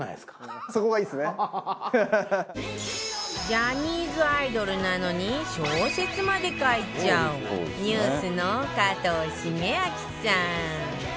ジャニーズアイドルなのに小説まで書いちゃう ＮＥＷＳ の加藤シゲアキさん